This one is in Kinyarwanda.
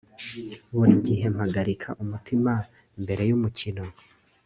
buri gihe mpagarika umutima mbere yumukino